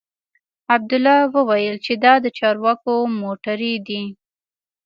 عبدالله وويل چې دا د چارواکو موټرې دي.